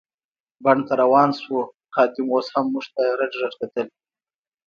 بڼ ته روان شوو، خادم اوس هم موږ ته رډ رډ کتل.